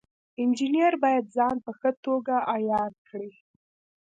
انجینر باید ځان په ښه توګه عیار کړي.